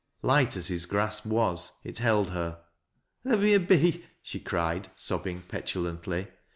Light as his grasp was, it held her. " Let me a be," she cried, sobbing petulantly.